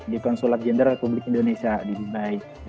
di konsulat jenderal republik indonesia di dubai